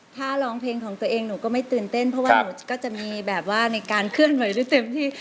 ถ้าร้องเพลงของตัวเองหนูก็ไม่ตื่นเต้นเพราะว่าหนูก็จะมีแบบว่าในการเคลื่อนไหวได้เต็มที่